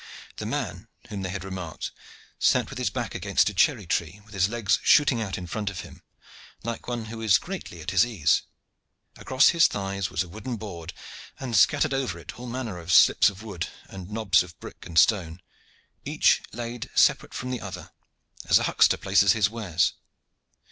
The man whom they had remarked sat with his back against a cherry tree, and his legs shooting out in front of him, like one who is greatly at his ease. Across his thighs was a wooden board, and scattered over it all manner of slips of wood and knobs of brick and stone, each laid separate from the other, as a huckster places his wares.